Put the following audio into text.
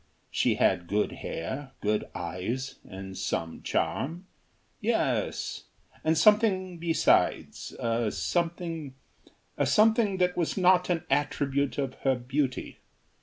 She had good hair, good eyes, and some charm. Yes. And something besides a something a something that was not an attribute of her beauty.